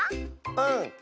うん！